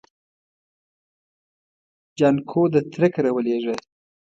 جانکو د تره کره ولېږه.